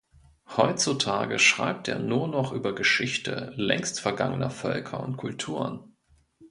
Heutzutage schreibt er nur noch über Geschichte längst vergangener Völker und Kulturen.